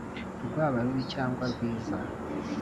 rwaba rubi cyangwa rwiza